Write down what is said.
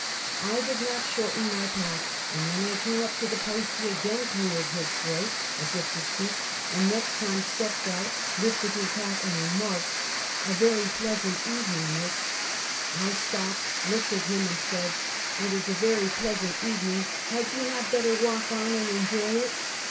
I did not shorten my path, and when I came up to the post he again cleared his throat as if to speak, and next time stepped out, lifted his hat, and remarked: "A very pleasant evening, Miss." T stopped, looked at him, and said: ''It is a very pleasant evening; had yon not better walk on and enjoy it?